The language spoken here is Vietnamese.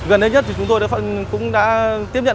gần đây nhất thì chúng tôi cũng đã tiếp nhận